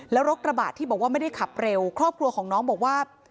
แล้วรถกระบะที่บอกว่าไม่ได้ขับเร็วครอบครัวของน้องบอกว่า